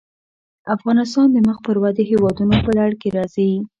افغانستان د مخ پر ودې هېوادونو په لړ کې راځي.